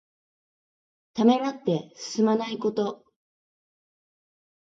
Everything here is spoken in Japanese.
ためらって進まないこと。